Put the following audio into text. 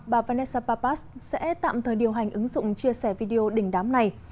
bà vanessa pappas sẽ tạm thời điều hành ứng dụng chia sẻ video đỉnh đám này